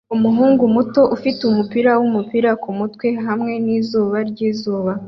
umuhungu muto ufite umupira wumupira kumutwe hamwe nizuba ryizuba